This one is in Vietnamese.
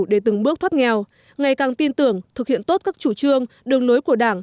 để từng bước thoát nghèo ngày càng tin tưởng thực hiện tốt các chủ trương đường lối của đảng